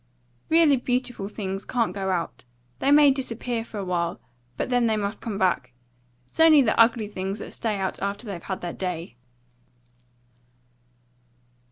"Really beautiful things can't go out. They may disappear for a little while, but they must come back. It's only the ugly things that stay out after they've had their day."